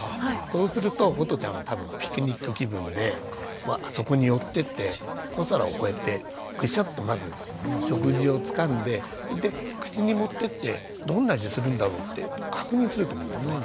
そうするとことちゃんは多分ピクニック気分でそこに寄ってって小皿をこうやってグシャッとまず食事をつかんでで口に持ってってどんな味するんだろう？って確認すると思うんですね。